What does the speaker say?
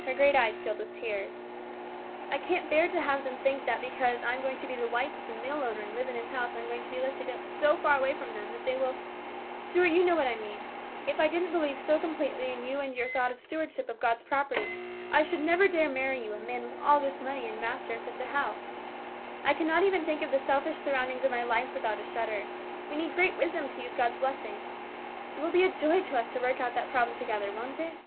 Her great eyes rilled with tears. " I can't bear to have them think that because I am going to be the wife of the mine owner and live in his house I am going to be lifted so far away from them that they will Stuart, you know what I mean. If I didn't believe so completely in you and your thought of stewardship of God's property, I should never dare marry you, a man with all this money, and master of such a house. I cannot even think of the selfish surroundings of my life without a shudder. We need great wisdom to use God's blessings. It will be a joy to us to work out the problem together, won't it